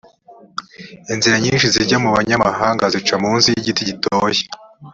inzira nyinshi zijya mu banyamahanga zica mu munsi y igiti gitoshye